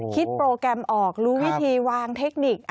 โปรแกรมออกรู้วิธีวางเทคนิค